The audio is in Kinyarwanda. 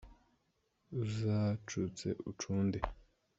Uzacutse ucunde